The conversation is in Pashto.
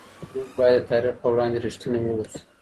موږ باید د تاریخ په وړاندې رښتیني واوسو.